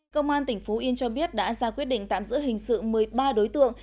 công an tỉnh phú yên cho biết đã ra quyết định tạm giữ hình sự một mươi ba đối tượng